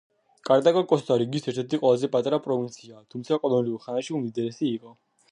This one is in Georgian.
კარტაგო კოსტა-რიკის ერთ–ერთი ყველაზე პატარა პროვინციაა, თუმცა კოლონიურ ხანაში უმდიდრესი იყო.